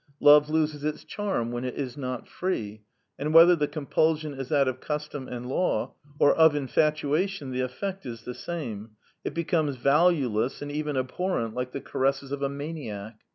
Love loses its charm when it is not free ; and whether the compulsion is that of custom and law, or of infatuation, the effect is the same : it becomes valueless and even abhorrent, like the caresses of a maniac.